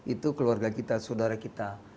itu keluarga kita saudara kita